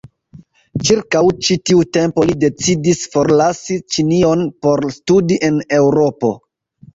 Ĉirkaŭ ĉi tiu tempo li decidis forlasi Ĉinion por studi en Eŭropo.